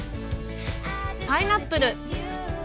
パイナップル。